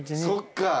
そっか。